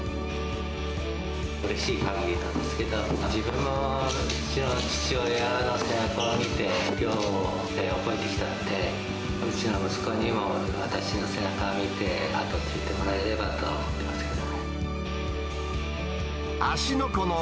うれしい限りなんですけど、自分も父親の背中を見て、漁を覚えてきたので、うちの息子にも、私の背中見て、跡を継いでもらえればと思うんですけども。